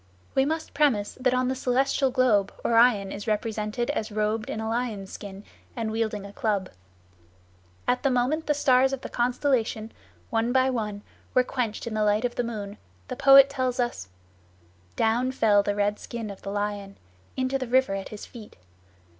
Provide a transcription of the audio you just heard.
We must premise that on the celestial globe Orion is represented as robed in a lion's skin and wielding a club. At the moment the stars of the constellation, one by one, were quenched in the light of the moon, the poet tells us "Down fell the red skin of the lion Into the river at his feet.